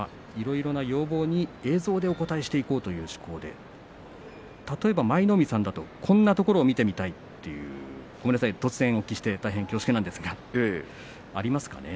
いろいろな要望に映像でお応えしていこうという趣向で例えば、舞の海さんがこんなところを見てみたいというところがありますか？